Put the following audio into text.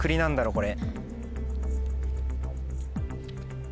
これ。